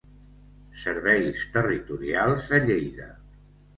Serveis Territorials a Lleida.